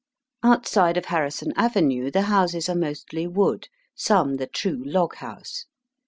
Outside of Harrison Avenue the houses are mostly wood, some the true log house.